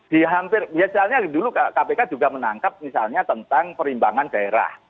di hampir biasanya dulu kpk juga menangkap misalnya tentang perimbangan daerah